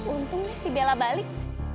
untungnya si bella balik